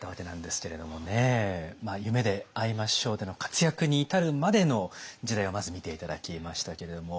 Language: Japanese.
「夢であいましょう」での活躍に至るまでの時代をまず見て頂きましたけれども。